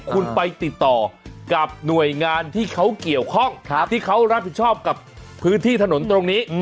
คุณไปติดต่อกับหน่วยงานที่เขาเกี่ยวข้องที่เขารับผิดชอบกับพื้นที่ถนนตรงนี้